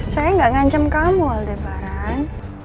saya gak ngancam kamu aldebaran